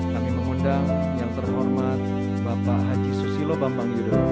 kami mengundang yang terhormat bapak haji susilo bambang yudhoyono